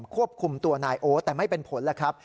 ควบคุมตัวนายโอ๊ตแต่ไม่เป็นผลแล้วครับ